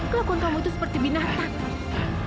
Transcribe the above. kelakuan kamu itu seperti binatang